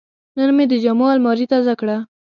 نن مې د جامو الماري تازه کړه.